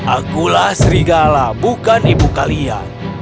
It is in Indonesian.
akulah serigala bukan ibu kalian